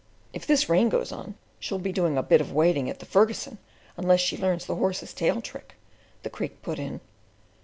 "If this rain goes on, she'll be doing a bit of waiting at the Fergusson; unless she learns the horse's tail trick," the Creek put in.